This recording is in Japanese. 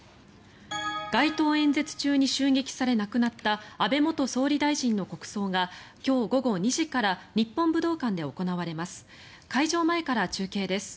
街頭演説中に襲撃され亡くなった安倍元総理大臣の国葬が今日午後２時から日本武道館で行われます。